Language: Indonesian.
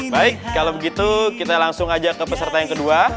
baik kalau begitu kita langsung ajak ke peserta yang kedua